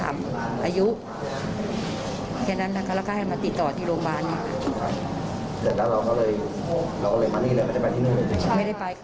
อายุแค่นั้นนะครับเขาแยกมาติดต่อที่โรงบาลเนี่ย